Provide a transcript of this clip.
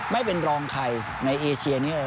ไม่เป็นรองใครในเอเชียนี้เลย